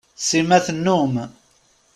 Sima tennum.